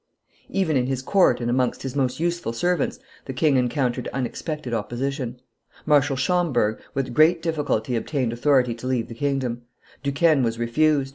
Even in his court and amongst his most useful servants the king encountered unexpected opposition. Marshal Schomberg with great difficulty obtained authority to leave the kingdom; Duquesne was refused.